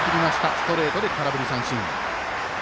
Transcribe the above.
ストレートで空振り三振。